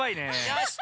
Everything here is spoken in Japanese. よし！